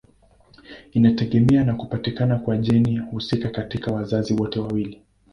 Inategemea na kupatikana kwa jeni husika katika wazazi wote wawili.